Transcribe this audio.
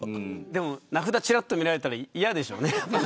でも名札ちらっと見られたら嫌でしょうね。